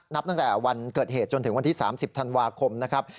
นับตั้งแต่วันเกิดเหตุจนถึงวันที่๓๐ธันวาคมนะครับ